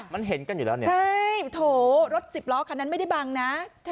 มันเห็นกันอยู่แล้วเนี่ยใช่โถรถสิบล้อคันนั้นไม่ได้บังนะ